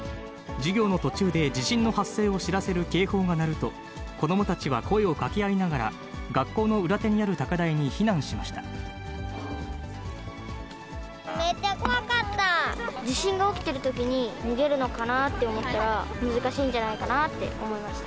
授業の途中で地震の発生を知らせる警報が鳴ると、子どもたちは声をかけ合いながら、学校の裏手にある高台に避難しまめっちゃ怖かった。